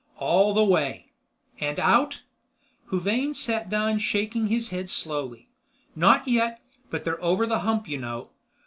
"All the way." "And out?" Huvane sat down shaking his head slowly. "Not yet, but they're over the hump, you know."